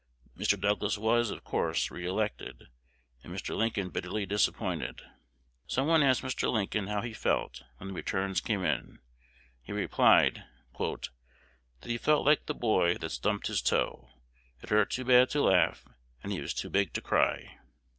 Mr. Douglas was, of course, re elected, and Mr. Lincoln bitterly disappointed. Some one asked Mr. Lincoln how he felt when the returns came in. He replied, "that he felt like the boy that stumped his toe, 'it hurt too bad to laugh, and he was too big to cry!'"